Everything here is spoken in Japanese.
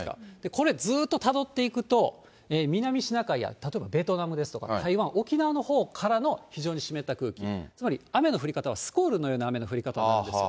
これ、ずっとたどっていくと、南シナ海や例えばベトナムですとか台湾、沖縄のほうからの非常に湿った空気、つまり雨の降り方はスコールのような雨の降り方なんですよ。